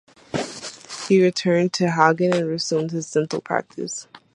He returned to Hagen and resumed his dental practice.